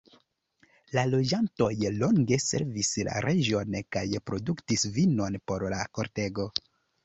La loĝantoj longe servis la reĝon kaj produktis vinon por la kortego.